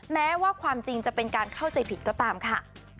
แม้ว่าความจริงจะเป็นการเข้าใจผิดก็ตามค่ะ